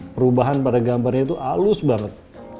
perubahan pada gambarnya itu halus banget